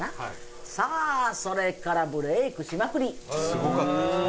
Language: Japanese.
すごかったですね。